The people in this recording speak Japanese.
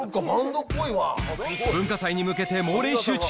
文化祭に向けて猛練習中。